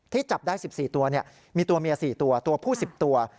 จับได้๑๔ตัวมีตัวเมีย๔ตัวตัวผู้๑๐ตัว